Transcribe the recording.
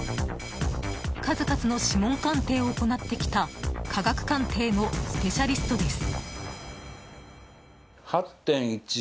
数々の指紋鑑定を行ってきた科学鑑定のスペシャリストです。